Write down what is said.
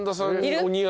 お似合い。